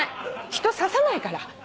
人ささないから。